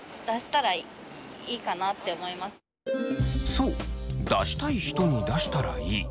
そう出したい人に出したらいい。